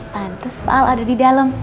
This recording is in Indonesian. pantes pak al ada di dalem